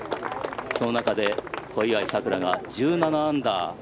その中で小祝さくらが１７アンダー。